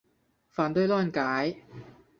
反对乱改！